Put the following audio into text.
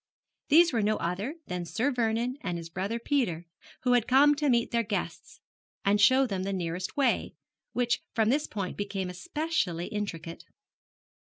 These were no other than Sir Vernon and his brother Peter, who had come to meet their guests, and show them the nearest way, which from this point became especially intricate.